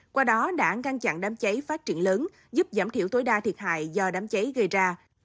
qua đó đã ngăn chặn đám cháy phát triển lớn giúp giảm thiểu tối đa thiệt hại do đám cháy gây ra